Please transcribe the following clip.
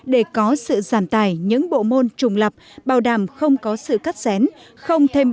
để có sự giảm tài những bộ môn trùng lập bảo đảm không có sự cắt xén